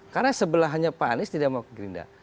karena sebelahnya pak anies tidak mewakili gerindra